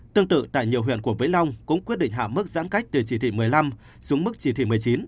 tương tự tại nhiều huyện của vĩnh long cũng quyết định hạ mức giãn cách từ chỉ thị một mươi năm xuống mức chỉ thị một mươi chín